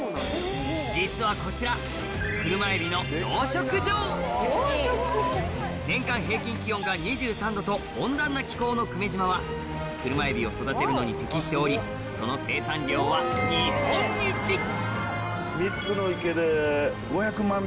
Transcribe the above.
実はこちら年間平均気温が２３℃と温暖な気候の久米島はクルマエビを育てるのに適しておりその３つの池で５００万尾。